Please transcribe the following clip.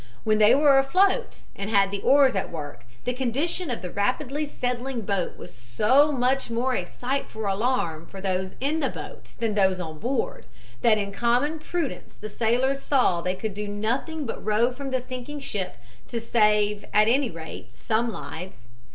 When they were afloat and had the oars at work, the condition of the rapidly settling boat was so much more a sight for alarm for those in the boats than those on board, that in common prudence the sailors saw they could do nothing but row from the sinking ship to save at any rate some lives.